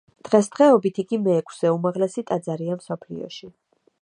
დღესდღეობით, იგი მეექვსე უმაღლესი ტაძარია მსოფლიოში.